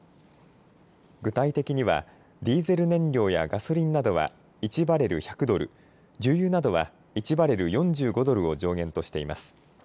具体的にはディーゼル燃料やガソリンなどは１バレル１００ドル、重油などは１バレル４５ドルを上限としています。